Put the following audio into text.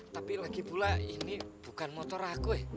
tapi lagi pula ini bukan motor aku ya